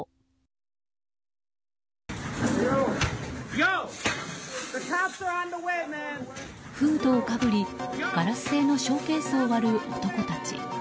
フードをかぶり、ガラス製のショーケースを割る男たち。